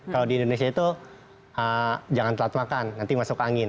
kalau di indonesia itu jangan telat makan nanti masuk angin